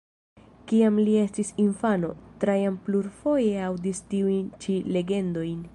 Kiam li estis infano, Trajan plurfoje aŭdis tiujn ĉi legendojn.